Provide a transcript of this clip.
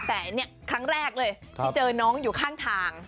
แต่นี่ครั้งแรกเลยที่เจอน้องอยู่ข้างทาง